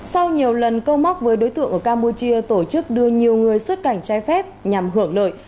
sau nhiều lần câu móc với đối tượng ở campuchia tổ chức đưa nhiều người xuất cảnh trái phép nhằm hưởng lợi